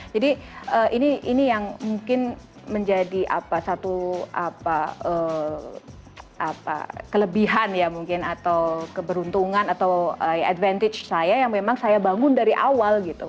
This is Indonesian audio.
jadi ini yang mungkin menjadi apa satu apa kelebihan ya mungkin atau keberuntungan atau advantage saya yang memang saya bangun dari awal gitu